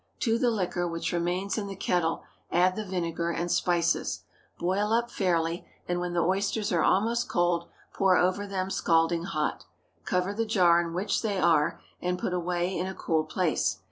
To the liquor which remains in the kettle add the vinegar and spices. Boil up fairly, and when the oysters are almost cold, pour over them scalding hot. Cover the jar in which they are, and put away in a cool place.